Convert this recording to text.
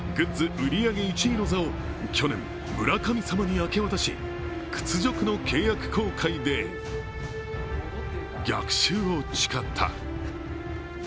売り上げ１位の座を、去年、村神様に明け渡し屈辱の契約更改で逆襲を誓った。